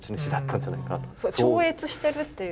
超越してるっていう。